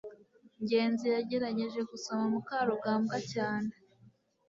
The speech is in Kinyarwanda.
ngenzi yagerageje gusoma mukarugambwa cyane